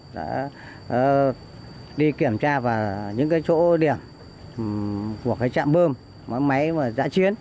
đã đi kiểm tra và những chỗ điểm của trạm bơm máy giã chiến